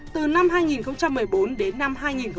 từ năm hai nghìn một mươi bốn đến năm hai nghìn một mươi tám